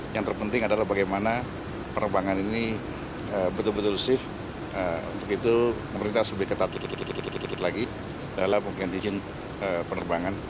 yang terpenting adalah bagaimana penerbangan ini betul betul safe untuk itu kita sebutkan tutup tutup lagi dalam pengguna penerbangan